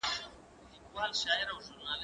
زه پرون ليکنه کوم،